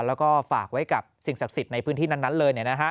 แล้วก็ฝากไว้กับสิ่งศักดิ์สิทธิ์ในพื้นที่นั้นเลย